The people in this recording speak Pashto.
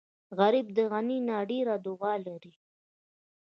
غریب د غني نه ډېره دعا لري